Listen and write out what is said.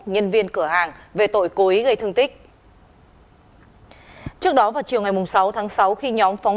nhân viên cửa hàng về tội cố ý gây thương tích trước đó vào chiều ngày sáu tháng sáu khi nhóm phóng